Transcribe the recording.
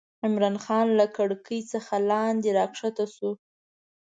عمرا خان له کړکۍ څخه لاندې راکښته شو.